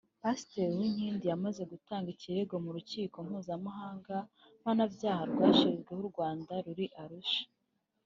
Pasteri Jean Uwinkindi yamaze gutanga ikirego mu rukiko mpuzamahanga mpanabyaha rwashyiriweho u Rwanda ruri i Arusha